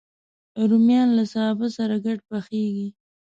رومیان له سابه سره ګډ پخېږي